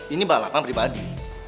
ini balapan pribadi